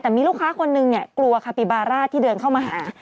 แต่มีลูกค้าคนนึงเนี่ยกลัวคาปิบาร่าที่เดินเข้ามาหา